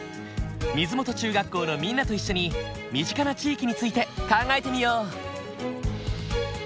水元中学校のみんなと一緒に身近な地域について考えてみよう。